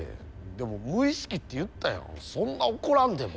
でも無意識って言ったやんそんな怒らんでも。